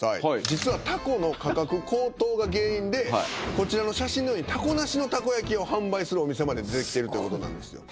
実はタコの価格高騰が原因でこちらの写真のようにタコなしのたこ焼きを販売するお店まで出てきてるということなんですよ。